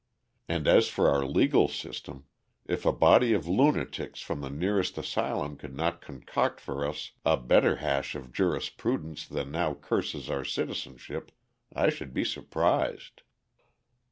And as for our legal system, if a body of lunatics from the nearest asylum could not concoct for us a better hash of jurisprudence than now curses our citizenship I should be surprised.